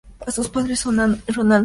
Sus padres son Anna y Randall North.